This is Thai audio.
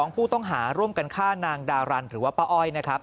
ผู้ต้องหาร่วมกันฆ่านางดารันหรือว่าป้าอ้อยนะครับ